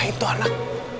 wah itu anak